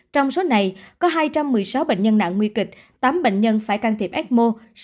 trong số này có hai trăm một mươi sáu bệnh nhân nặng nguy kịch tám bệnh nhân phải can thiệp ecmo